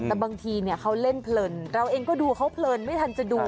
แต่บางทีเขาเล่นเพลินเราเองก็ดูเขาเพลินไม่ทันจะดู